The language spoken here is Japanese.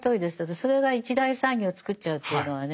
それが一大産業をつくっちゃうっていうのはね。